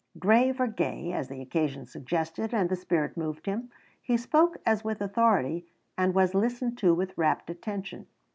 Grave or gay, as the occasion suggested and the spirit moved him, he spoke as with authority and was listened to with rapt attention.